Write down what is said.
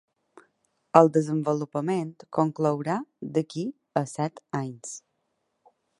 El desenvolupament conclourà d'aquí a set anys.